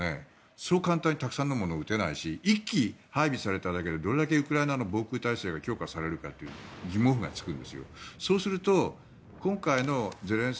そう簡単にたくさんのものを撃てないし１基配備されただけでどれだけウクライナの防空体制が強化されるかという疑問符がつくんですよ。